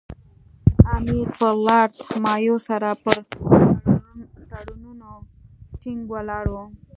امیر پر لارډ مایو سره پر تړونونو ټینګ ولاړ وو.